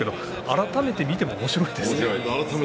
改めて見てもおもしろいですね。